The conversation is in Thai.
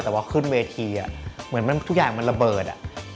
แต่ว่าขึ้นเวทีเหมือนทุกอย่างมันระเบิด